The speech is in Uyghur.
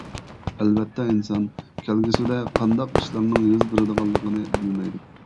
ئەلۋەتتە ئىنسان كەلگۈسىدە قانداق ئىشلارنىڭ يۈز بېرىدىغانلىقىنى بىلمەيدۇ.